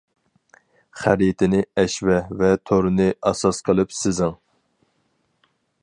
خەرىتىنى ئەشمە ۋە تورنى ئاساس قىلىپ سىزىڭ.